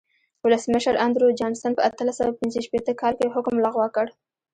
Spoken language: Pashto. ولسمشر اندرو جانسن په اتلس سوه پنځه شپېته کال کې حکم لغوه کړ.